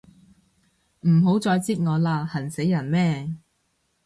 唔好再擳我啦，痕死人咩